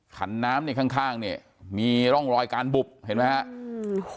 ขันน้ำเนี่ยข้างข้างเนี่ยมีร่องรอยการบุบเห็นไหมครับ